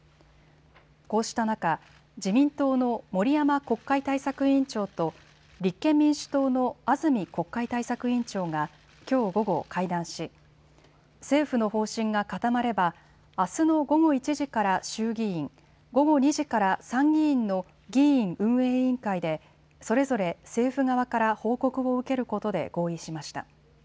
こうした中、自民党の森山国会対策委員長と立憲民主党の安住国会対策委員長がきょう午後、会談し政府の方針が固まればあすの午後１時から衆議院、午後２時から参議院の議院運営委員会でそれぞれ政府側から報告を受けることで合意しました。